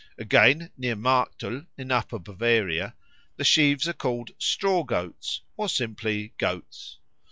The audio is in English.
Again, near Marktl, in Upper Bavaria, the sheaves are called Straw goats or simply Goats.